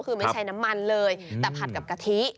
คือไม่ใช่น้ำมันเลยแต่ผัดกับกะทิ